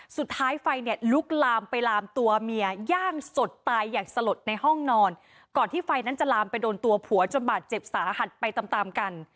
สุดท้ายไฟเนี่ยลุกลามไปลามตัวเมียย่างสดตายอย่างสลดในห้องนอนก่อนที่ไฟนั้นจะลามไปโดนตัวผัวจนบาดเจ็บสาหัสไปตามตามกัน